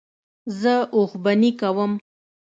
زه اوښبهني کوم.